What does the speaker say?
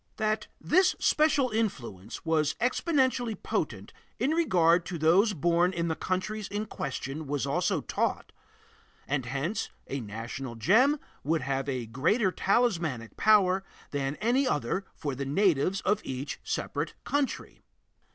That this special influence was exceptionally potent in regard to those born in the countries in question was also taught and hence a national gem would have a greater talismanic power than any other for the natives of each separate country.